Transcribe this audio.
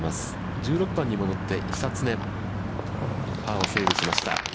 １６番に戻って、久常、パーをセーブしました。